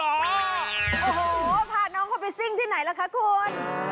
โอ้โหพาน้องเขาไปซิ่งที่ไหนล่ะคะคุณ